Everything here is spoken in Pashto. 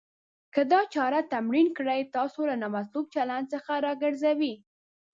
که دا چاره تمرین کړئ. تاسو له نامطلوب چلند څخه راګرځوي.